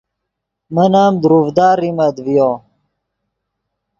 من ام دروڤدا ریمت ڤیو